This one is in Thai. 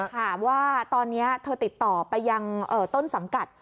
ถามว่าตอนนี้เธอติดต่อไปยังต้นสังกัด